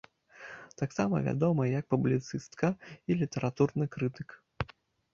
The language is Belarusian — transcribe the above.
Таксама вядомая як публіцыстка і літаратурны крытык.